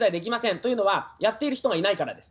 というのは、やっている人がいないからです。